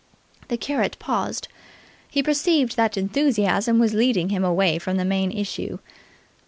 ." The curate paused. He perceived that enthusiasm was leading him away from the main issue.